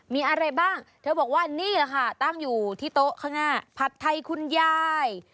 มีอะไรบ้างเธอบอกว่านี่แหละค่ะตั้งอยู่ที่โต๊ะข้างหน้าผัดไทยคุณยาย